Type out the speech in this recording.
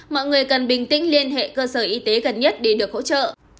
mọi người cần bình tĩnh liên hệ cơ sở y tế gần nhất để được hỗ trợ